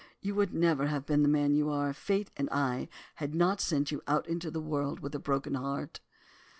You would never have been the man you are if Fate and I had not sent you out into the world with a broken heart.